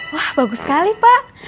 wah bagus sekali pak